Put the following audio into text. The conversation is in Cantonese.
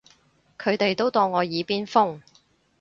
佢哋都當我耳邊風